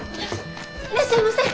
いらっしゃいませ。